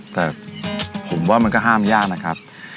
แต่ผมว่ามันก็ห้ามยากนะครับ